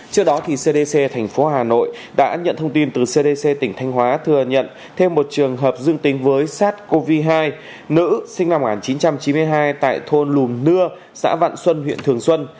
trước đó cdc thành phố hà nội đã nhận thông tin từ cdc tỉnh thanh hóa thừa nhận thêm một trường hợp dương tính với sars cov hai nữ sinh năm một nghìn chín trăm chín mươi hai tại thôn lùm nưa xã vạn xuân huyện thường xuân